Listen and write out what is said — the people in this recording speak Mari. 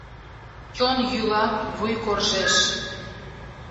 Чон йӱла, вуй коржеш.